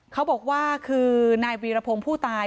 เขาบอกว่าคือนายวีรพงศ์ผู้ตาย